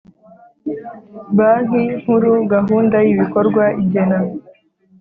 Banki Nkuru gahunda y ibikorwa igena